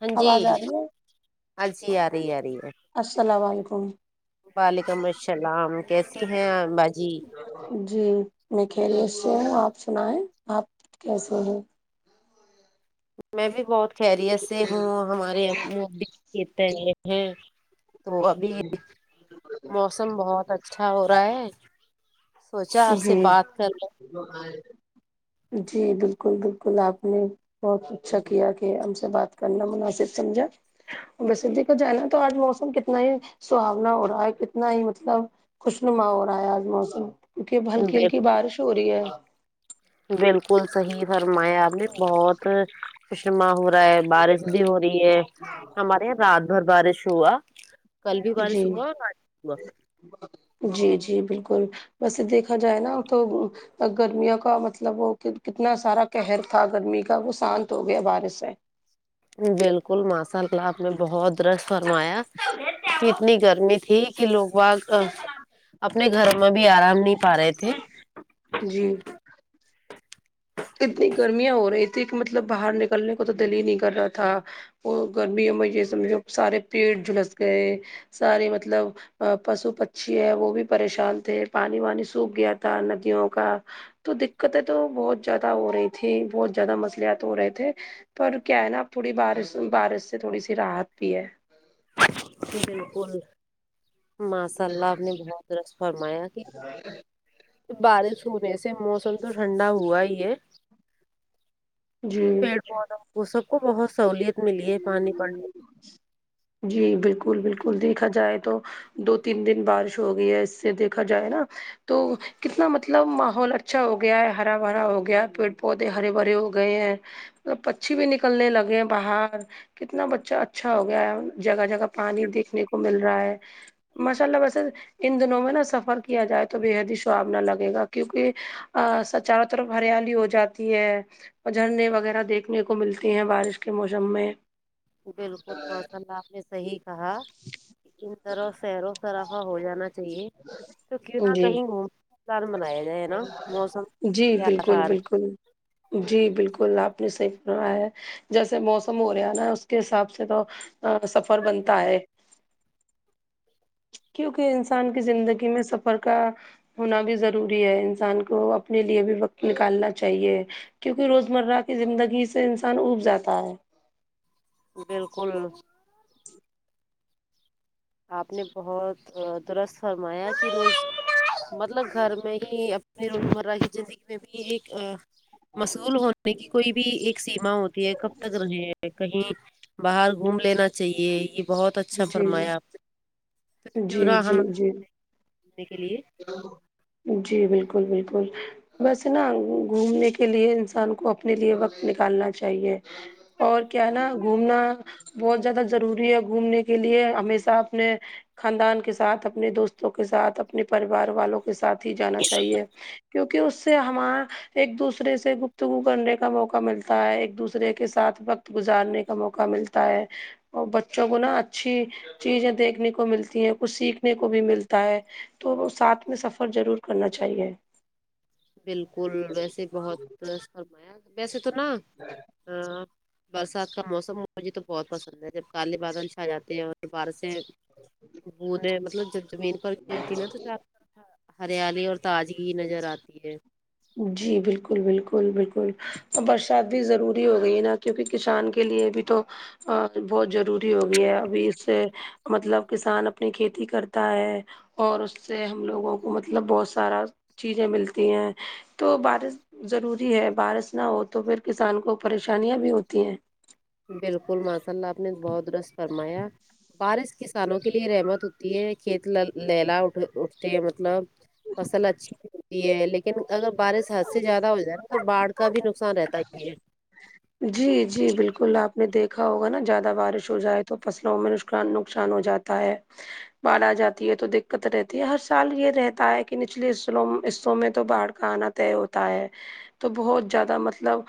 ہاں جی آواز آ رہی ہے اللسیی آ رہی آ رہی ہے السلام علیکم وعلیکم السلام کیسے ہیں اپ باجی جی میں خریت سے ہوں آپ سنایں آپ کیسے ہیں میں بھی بہت خیریت سے ہوں ہمارے او اتے ہیں تو ابھی موسم بہت اچھا ہو رہا ہے سوچا آپ سے جی بات کر لوں جی بالکل بالکل آپ نے بہت اچھا کیا کہ ہم سے بات کرنا مناسب سمجھا ویسے دیکھا جائے نا تو آج موسم کتنا ہی سہاونا ہو رہا ہے کتنا ہی مطلب خوش نما ہو رہا ہے آج موسم کی کہ اب لیں ہلکی ہلکی بارش ہو رہی ہے بالکل صحیح فرمایا آپ نے بہت خوش نما ہو رہا ہے بارش بھی ہو رہی ہے ہمارے یہاں رات بھر بارش ہوا کل بھی بارش جی ہوا اور آج بھی ہوا جی جی بالکل ویسے دیکھا جائے نا تو گرمیاوں کا مطلب وہ کت کتنا سارا قہر تھا گرمی کا وہ شانت ہو گیا بارش سے بالکل ماشاء اللہ آپ نے بہت درست فرمایا اتنی گرمی تھی کہ لوگ واگ اپنے گھر میں بھی آرام نہیں پا رہے تھے جی اتنی گرمیاں ہو رہی تھی کہ مطلب باہر نکلنے کو تو دل ہی نہیں کر رہا تھا وہ گرمیوں میں یہ سمجھو سارے پیٹ جھلس گئے سارے مطلب پشو پکشی ہے وہ بھی پریشان تھے پانی وانی سوکھ گیا تھا ندیوں کا تو دقتیں تو بہت زیادہ ہو رہی تھی بہت زیادہ مصلحت ہو رہے تھے پر کیا ہے نا تھوڑی بارش بارش سے تھوڑی سی راحت بھی ہے بالکل ماشاء اللہ آپ نے بہت درست فرمایا کہ بارش ہونے سے موسم تو ٹھنڈا ہوا ہی ہے جی پیڑ پودوں کو سب کو بہت سہولت ملی ہے پانی پڑنے جی بالکل بالکل دیکھا جائے تو دو تین دن بارش ہو گئی ہے اس سے دیکھا جائے نا تو کتنا مطلب ماحول اچھا ہو گیا ہے ہرا بھرا ہو گیا پیڑ پودے ہرے بھرے ہو گئے ہیں مطلب پچھی بھی نکلنے لگے ہیں باہر کتنا بچہ اچھا ہو گیا ہے جگہ جگہ پانی دیکھنے کو مل رہا ہے ماشاء اللہ ویسے ان دنوں میں نا سفر کیا جائے تو بے حد ہی شواب نہ لگے گا کیوکہ ا چاروں طرف ہریالی ہو جاتی ہے اور جھرنے وغیرہ دیکھنے کو ملتی ہیں بارش کے موسم میں بالکل مسلہ آپ نے صحیح کہا اندروں سیروں طرافا ہو جانا چاہیے تو کی نہ جی کہیں گومنے پلان منایا جی بالکل بالکل جی بالکل آپ نے صحیح فرمایا ہے جیسے موسم ہو رہا نا اس کے حساب سے تو سفر بنتا ہے [inaudible] کیوکہ انسان کی زندگی میں سفر کا ہونا بھی ضروری ہے انسان کو اپنے لیے بھی وقت نکالنا چاہیے کیونکہ روزمرہ کی زندگی سے انسان اوب جاتا ہے بالکل آپ نے بہت درست فرمایا جی مطلب گھر میں ہی اپنی روزمرہ کی زندگی میں بھی ایک مصغول ہونے کی کوئی بھی ایک سیما ہوتی ہے کب تک رہے کہیں باہر گھوم لینا چاہیے یے بہت اچھا جی فرمایا آپ نے جی کیوں نہ ہم جی جی نے کے لیے جی بالکل بالکل بس نا گھومنے کے لیے انسان کو اپنے لیے وقت نکالنا چاہیے اور کیا ہے نا گھومنا بہت زیادہ ضروری ہے گھومنے کے لیے ہمیشہ اپنے خاندان کے ساتھ اپنے دوستوں کے ساتھ اپنے پریوار والوں کے کے ساتھ ہی جانا چاہیے کیونکہ اس سے ہمارا ایک دوسرے سے گفتگو کرنے کا موقع ملتا ہے ایک دوسرے کے ساتھ وقت گزارنے کا موقع ملتا ہے اور بچوں کو نا چھی چیزیں دیکھنے کو ملتی ہیں کچھ سیکھنے کو بھی ملتا ہے تو وہ ساتھ میں سفر ضرور کرنا چاہیے بالکل ویسے بہت درست فرمایا ویسے تو نا برسات کا موسم مجھے تو بہت پسند ہے جب کالے بادل چھا جاتے ہیں اور بارشیں بوتے مطلب جب زمین پر گرتی ہے نا تو زارہ ہریالی اور تاجگی نظر آتی ہے جی بالکل بالکل بالکل ا برسات بھی ضروری ہو گئی ہے نا کیونکی کسان کے لیے بھی تو بہت ضروری ہوگی ہے ابھی اس سے مطلب کسان اپنی کھیتی کرتا ہے اور اس سے ہم لوگوں کو مطلب بہت سارا چیزیں ملتی ہیں تو بارش ضروری ہے بارش نہ ہو تو پھر کسان کو پریشانیاں بھی ہوتی ہیں بالکل ماشاء اللہ آپ نے بہت درست فرمایا بارش کسانوں کے لیے رحمت ہوتی ہے کھیت لہرا اٹھتے ہیں مطلب فصل اچھی ہوتی ہے لیکن اگر بارش حد سے زیادہ ہو جائے نا تو باڑ کا بھی نقصان رہتا ہے پھر جی جی بالکل آپ نے دیکھا ہوگا نا زیادہ بارش ہو جائے تو فصلوں میں نقصا نقصان ہو جاتا تا ہے باڈ آ جاتی ہے تو دقت رہتی ہے ہر سال یے رہتا ہے کی نچلے حصوں میں تو باڑ کا آنا طے ہوتا ہے تو بہت زیادہ مطلب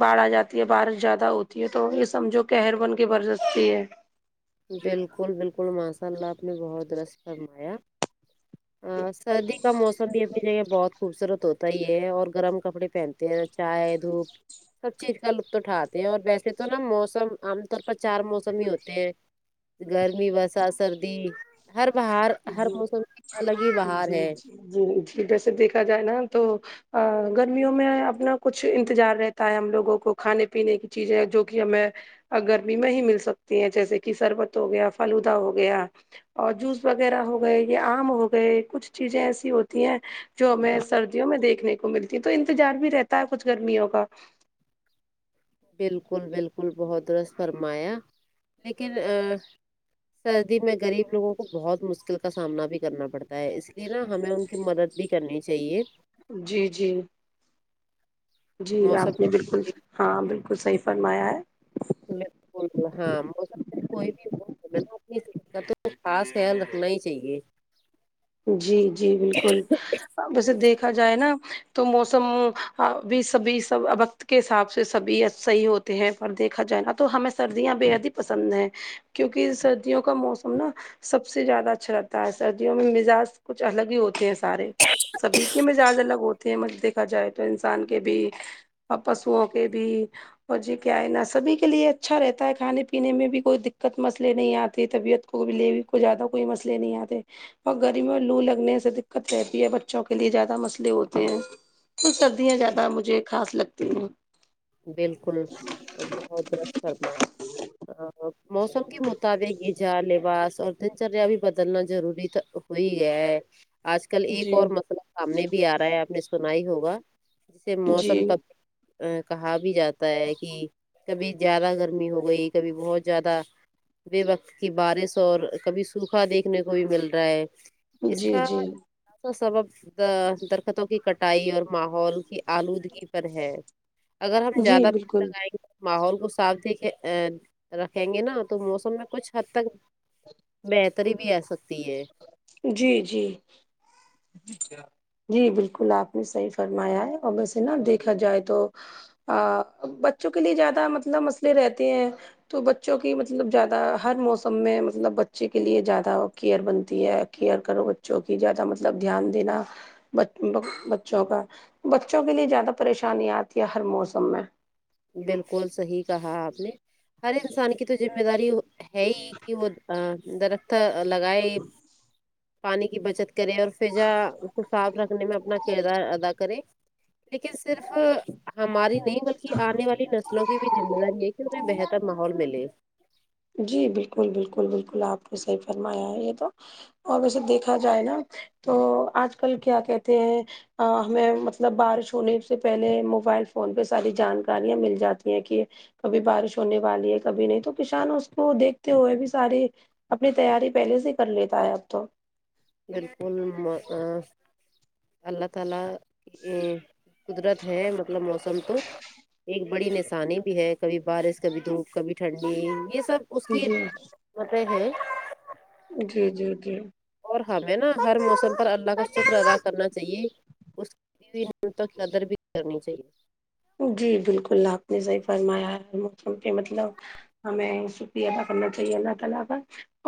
باڑ آجاتا تھی بارش زیادہ ہوتی ہے تو یے سمجھو کہر بن کر برستی ہے بالکل بالکل ماشاء اللہ آپ نے بہت درست فرمایا ہاں سردی کا موسم بھی اپنی جگہ بہت خوبصورت ہوتا ہی ہے اور گرم کپڑے پہنتے ہیں چائے دھوپ سب چیز کا لطف اٹھاتے ہیں اور ویسے تو نا موسم عام طور پر چار موسم ہی ہوتے ہیں گرمی برسات سردی ہر بہار ہر جی موسم کی الگ ہی جی بہار جی ہے جی جی ویسے دیکھا جائے نا تو آ گرمیوں میں اپنا کچھ انتظار رہتا ہے ہم لوگوں کو کھانے پینے کی چیزیں جو کی ہمیں اور گرمی میں مل سکتی ہیں جیسے کی شربت ہو گیا فلوودا ہو گیا اور جوس وغیرہ ہو گئے یا آم ہو گئے کچھ چیزیں ایسی ہوتی ہیں جو ہمیں سردیوں میں دیکھنے ملتی ہے تو انتظار بھی رہتا ہے کچھ گرمیوں کا بالکل بالکل بہت درست فرمایا لیکن آ سردی میں غریب لوگوں کو بہت مشکل کا سامنا بھی کرنا پڑتا ہے اس لیے نا ہمیں ان کی مدد بھی کرنی چاہیے جی جی جی موسم آپ نے بالکل ہاں بالکل صحیح فرمایا ہے ہاں موسم کوئی بھی [unintelligible] اس کا تو خاص خیال رکھنا ہی چاہیے جی جی بالکل ویسے دیکھا جائے نا تو موسم بھی سبھی سب اب کے حساب سے سبھی صحیح ہوتے ہیں پر دیکھا جائے نا تو ہمیں سردیاں بے حد ہی پسند ہیں کیونکی سردیوں کا موسم نا سب سے زیادہ اچھا رہتا ہے سردیوں میں مزاج کچھ الگ ہی ہوتے ہیں سارے سبھی کے ہی مزاج الگ ہوتے کے مت دیکھا جائے تو انسان کے بھی اور پشووں کے بھی اور جی کیا ہے نا سبھی کے لیے اچھا رہتا ہے کھانے پینے میں بھی کوئی دقت مسئلے نہیں آتی طبیعت کو بیلے بھی کو زیادہ کوئی مسلئے نہیں آتے اور گرمیو میں اور لو لگنے سے دقت رہتی ہے بچوں کے لیے زیادہ مسلئے ہوتے ہیں تو سردیاں زیادہ مجھے خاص لگتی ہیں بالکل بہت درست فرمایا موسم کے مطابق گیزا لیوا اور دن چریا بھی بدلنا ضروری تھا وہی ہے آج کل ایک جی اور مسئلہ سامنے بھی آ رہا ہے آپ نے سنا ہی ہوگا جیسے موسم جی تب کہا بھی جاتا ہے کی کبھی زیادہ گرمی ہو گئی کبھی بہت زیادہ بے وقت کی بارش اور کبھی سوکھا دیکھنے کو بھی مل رہا ہے اس جی کا جی کا سبب درختوں کی کٹائی اور ماحول کی آلودگی پر ہے اگر ہم جی زیادہ پیڑ بالکل لگائیں گے ماحول کو صاف سادھود رکھیں گے نا تو موسم میں کچھ حد تک بہتری بھی آ سکتی ہے جی جی جی بالکل آپ نے صحیح فرمایا ہے اور ویسے نا دیکھا جائے تو ہاں بچوں کے لیے زیادہ مطلب مسئلے رہتے ہیں تو بچوں کی مطلب زیادہ ہر موسم میں مطلب بچے کے لیے زیادہ کیئر بن تی ہے کیئر کرو بچوں کی زیادہ مطلب دھیان دینا بچوں کا بچوں کے لیے زیادہ پریشانی آتی ہے ہر موسم میں بالکل صحیح کہا آپ نے ہر انسان کی تو ذمہ داری ہے ہی کی وہ درخت لگائے پانی کی بچت کریں اور فضا کو صاف رکھنے میں اپنا کردار ادا کرے لیکن صرف ہماری نہیں بلکی کی آنے والی نسلوں کی بھی ذمہ داری ہے کی انہیں بہتر ماحول ملے جی بالکل بالکل بالکل آپ کو صحیح فرمایا ہے یے تو اور ویسے دیکھا جائے نا تو آج کل کیا کہتے ہیں ہمیں مطلب بارش ہونے سے پہلے موبائل فون پے ساری جانکاریاں مل جاتی ہیں کہ کبھی بارش ہونے والی ہے کبھی نہیں تو کسان اس کو دیکھتے ہوئے بھی ساری اپنی تیاری پہلے سے کر لیتا ہے اب تو بالکل اللہ تعالی یے قدرت ہے مطلب موسم تو ایک بڑی نشانی بھی ہے کبھی بارش کبھی دھوپ کبھی ٹھنڈی یے سب اس کی جی متے ہے جی جی جی اور ہمیں نا ہر موسم پر اللہ کا شکر ادا کرنا چاہیے اس کی دی ہوئی نعمتوں کی قدر بھی کرنی چاہیے جی بالکل آپ نے صحیح فرمایا ہے ہر موسم پے مطلب ہمیں شکریہ ادا کرنا چاہیے اللہ تعالی کا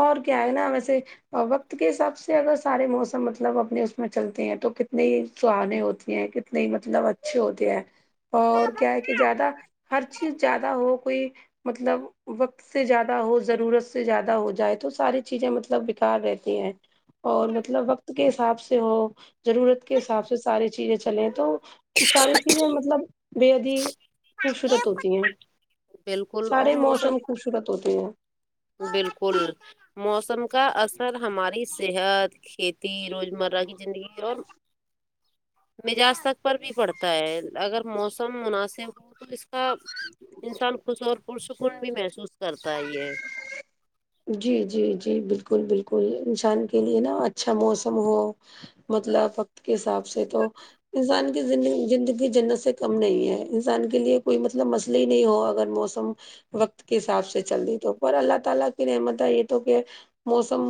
اور کیا ہے نا ویسے اور وقت کے حساب سے اگر سارے موسم مطلب اپنے اس میں چلتے ہیں تو کتنی سہانے ہوتی ہیں نہیں مطلب اچھے ہوتے ہیں اور کیا ہے کہ زیادہ ہر چیز زیادہ ہو کوئی مطلب وقت سے زیادہ ہو ضرورت سے زیادہ ہو جائے تو ساری چیزیں مطلب بیکار رہتی ہیں اور مطلب وقت کے حساب سے ہو ضرورت کے حساب سے ساری چیزیں چلیں تو ساری چیزیں مطلب بےحد ہی خوبصورت ہوتی ہیں بالکل اور سارے موسم خوبصرت ہوتے ہیں بالکل موسم کا اثر ہماری صحت کھیتی روزمرہ کی زندگی اور مزاج تک پر بھی پڑتا ہے اگر موسم مناسب ہو تو اس کا انسان خوش اور پرسکون بھی محسوس کرتا ہی ہے جی جی جی بالکل بالکل انسان کے لیے نا اچھا موسم ہو مطلب وقت کے حساب سے تو انسان کی زندگی جنت سے کم نہیں ہے انسان کے لیے کوئی مطلب مس لے نہیں ہو اگر موسم وقت کے حساب سے چل رہ تو پر اللہ تعالی کہ نعمت [unintelligible] موسم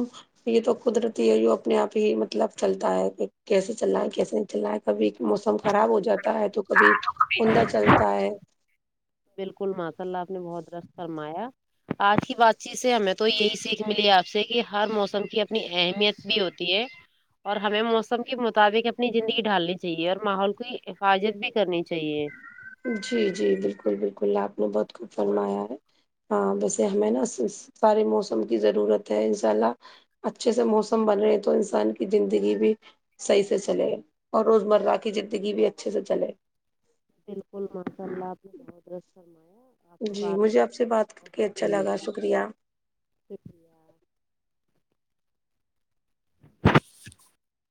یے تو قدرتی ہے اپنے آپ ہی مطلب چلتا ہے ایک کیسے چلنا ہے کیسے نہیں چل رہا ہے کبھی موسم خراب ہو جاتا ہے تو کبھی عندہ چلتا ہے بالکل ماشاء اللہ آپ نے بہت درست فرمایا آج کی بات چیت سے ہمیں تو یہی سیکھ ملی ہے آپ سے کی ہر موسم کی اپنی اہمیت بھی ہوتی ہے اور ہمیں موسم کے مطابق اپنی زندگی ڈھالنی چاہیے اور ماحول کی حفاظت بھی کرنی چاہیے جی جی بالکل بالکل آپ نے بہت خوب فرمایا ہے ہاں ویسے ہمیں نا سارے موسم کی ضرورت ہے انشاء اللہ اچھے سے موسم بدلے تو انسان کی زندگی بھی صحیح سے چلے اور روزمرہ کی زندگی بھی اچھے سے چلے بالکل [unintelligible] جی کر مجھے آپ سے بات کر بہت کے اچھا سکون لگا ملا شکریہ شکریہ